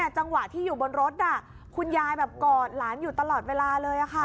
จังหวะที่อยู่บนรถคุณยายแบบกอดหลานอยู่ตลอดเวลาเลย